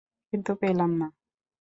কিন্তু, পেলাম না।